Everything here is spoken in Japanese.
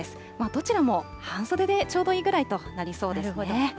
どちらも半袖でちょうどいいぐらいとなりそうですね。